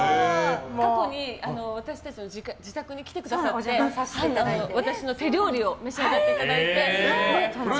過去に私たちの自宅に来てくださって私の手料理を召し上がっていただいて。